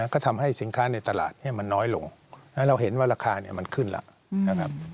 ก็ทำให้สินค้าในตลาดมันน้อยลงแล้วเราเห็นว่าราคามันขึ้นแล้วนะครับ